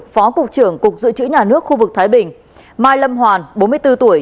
phó cục trưởng cục dự trữ nhà nước khu vực thái bình mai lâm hoàn bốn mươi bốn tuổi